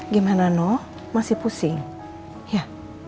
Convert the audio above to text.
gimana no masih pusing ya